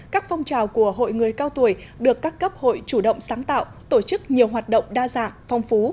các phong trào của hội người cao tuổi được các cấp hội chủ động sáng tạo tổ chức nhiều hoạt động đa dạng phong phú